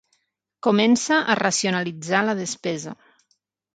Comença a racionalitzar la despesa.